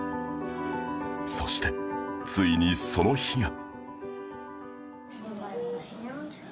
そしてついにその日が